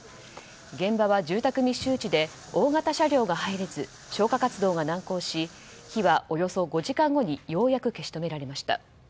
現場は住宅密集地で大型車両が入れず消火活動が難航し火はおよそ５時間後にようやく消し止められました。